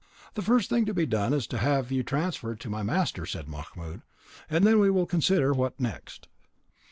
"The first thing to be done is to have you transferred to my master," said Mahmoud, "and then we will consider what next."